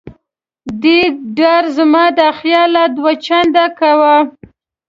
دې ډار زما دا خیال لا دوه چنده کاوه.